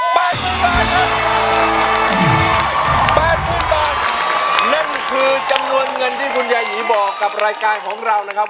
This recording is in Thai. ๘๐๐๐๐บาทนั่นคือจำนวนเงินที่คุณยายีบอกกับรายการของเรานะครับ